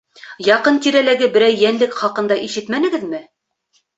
Яҡын-тирәләге берәй йәнлек хаҡында ишетмәнегеҙме?